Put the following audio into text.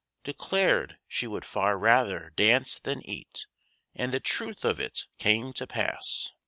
Declared she would far rather dance than eat, And the truth of it came to pass.